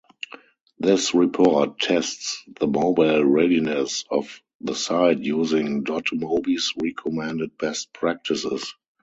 This report tests the mobile-readiness of the site using dotMobi's recommended best practices.